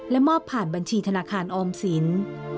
และมอบผ่านบัญชีธนาคารออมศิลป์